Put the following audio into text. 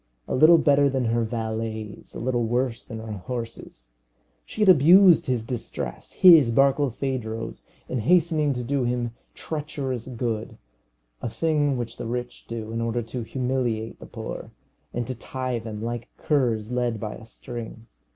A little better than her valets, a little worse than her horses. She had abused his distress his, Barkilphedro's in hastening to do him treacherous good; a thing which the rich do in order to humiliate the poor, and to tie them, like curs led by a string.